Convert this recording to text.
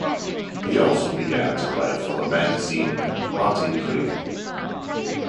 He also began to write for the magazine "Parti pris".